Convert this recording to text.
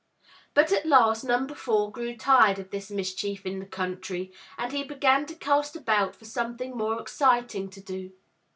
But at last Number Four grew tired of this mischief in the country, and he began to cast about for something more exciting to do.